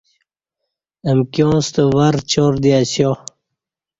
امکیاں ستہ ور چار دی اسیا